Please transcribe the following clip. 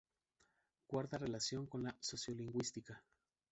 Guarda relación con la sociolingüística.